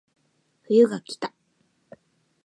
冬がきた